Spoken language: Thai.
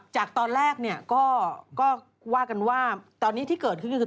จากตอนแรกเนี่ยก็ว่ากันว่าตอนนี้ที่เกิดขึ้นก็คือ